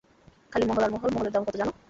খালি, মহল আর মহল, মহলের দাম কত জানো?